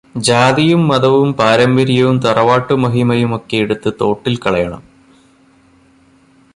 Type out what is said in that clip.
ജാതിയും മതവും പാരമ്പര്യവും തറവാട്ടുമഹിമയുമൊക്കെ എടുത്ത് തോട്ടിൽ കളയണം.